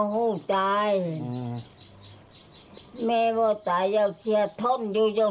พ่อไปฟังหน่อยครับ